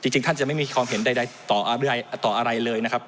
จริงท่านจะไม่มีความเห็นใดต่ออะไรเลยนะครับ